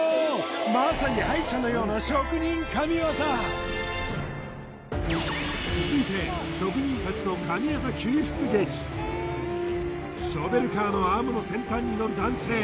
まさに歯医者のような職人神業続いて職人達のショベルカーのアームの先端に乗る男性